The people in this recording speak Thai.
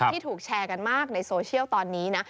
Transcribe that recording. ที่ถูกแชร์กันมากในโซเชียลตอนนี้นะ